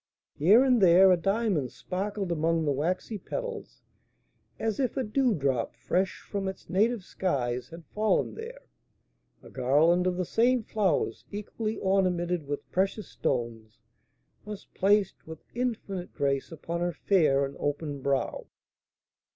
Here and there a diamond sparkled among the waxy petals, as if a dewdrop fresh from its native skies had fallen there. A garland of the same flowers, equally ornamented with precious stones, was placed with infinite grace upon her fair and open brow.